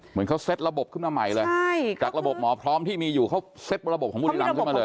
เหมือนเขาเซ็ตระบบขึ้นมาใหม่เลยจากระบบหมอพร้อมที่มีอยู่เขาเซ็ตระบบของบุรีรำขึ้นมาเลย